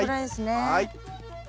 はい。